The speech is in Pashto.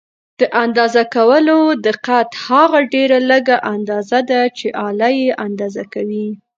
د اندازه کولو دقت هغه ډېره لږه اندازه ده چې آله یې اندازه کوي.